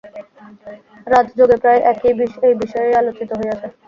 রাজযোগে প্রায় এই বিষয়ই আলোচিত হইয়াছে।